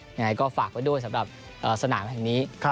ยังไงก็ฝากไว้ด้วยสำหรับสนามแห่งนี้